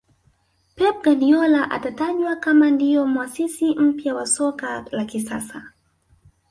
pep guardiola atatajwa kama ndio muasisi mpya wa soka la kisasa